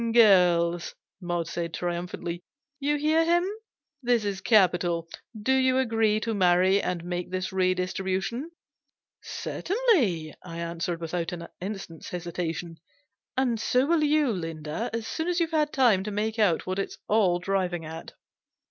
" Girls," Maud said, triumphantly, "you hear him. This is capital. Do you agree to marry and make this redistribution?" " Certainly," I answered, without an instant's hesitation. " And so will you, Linda, as soon as you've had time to make out what it's all driving at."